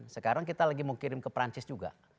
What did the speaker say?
sekarang kita lagi mau kirim ke perancis juga